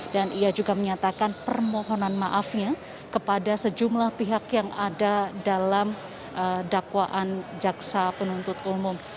dan ia juga menyatakan permohonan maafnya kepada sejumlah pihak yang ada dalam dakwaan jaksa penuntut umum